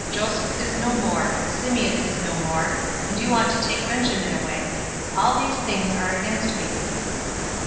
Joseph is no more, Simeon is no more, and you want to take Benjamin away. All these things are against me."